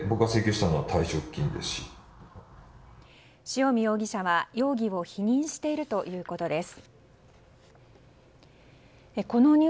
塩見容疑者は容疑を否認しているということです。